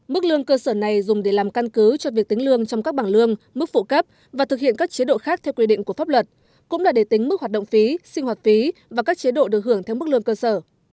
mức lương cơ sở này dùng để làm căn cứ cho việc tính lương trong các bảng lương mức phụ cấp và thực hiện các chế độ khác theo quy định của pháp luật cũng là để tính mức hoạt động phí sinh hoạt phí và các chế độ được hưởng theo mức lương cơ sở